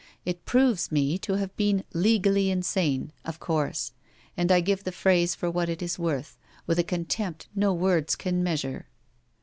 It proves me to have been 'legally insane,' of course, and I give the phrase for what it is worth, with a contempt no words can measure.